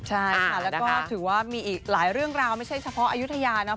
ใช่ค่ะแล้วก็ถือว่ามีอีกหลายเรื่องราวไม่ใช่เฉพาะอายุทยานะ